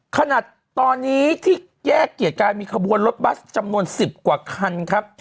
ขนาดนี้ที่แยกเกียรติกายมีขบวนรถบัสจำนวน๑๐กว่าคันครับ